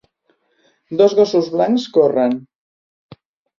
Dos gossos blancs corren.